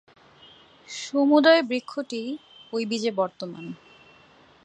সমুদয় বৃক্ষটিই ঐ বীজে বর্তমান।